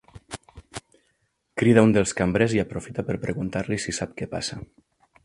Crida un dels cambrers i aprofita per preguntar-li si sap què passa.